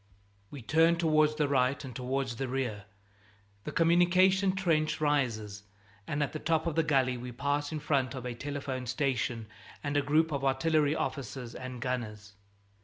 We turn towards the right and towards the rear. The communication trench rises, and at the top of the gully we pass in front of a telephone station and a group of artillery officers and gunners.